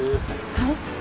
はい？